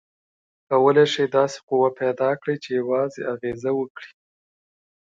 کولی شئ داسې قوه پیداکړئ چې یوازې اغیزه وکړي؟